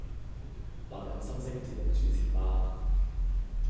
男人心聲節目主持嗎？